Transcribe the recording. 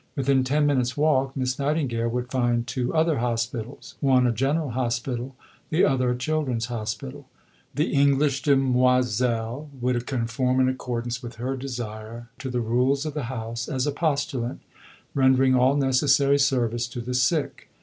Within ten minutes' walk Miss Nightingale would find two other hospitals, one a general hospital, the other a children's hospital. The English demoiselle would conform, in accordance with her desire, to the rules of the House as a postulante, rendering all necessary service to the sick.